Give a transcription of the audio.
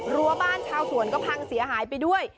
รั้วบ้านชาวสวนก็พังเสียหายไปด้วย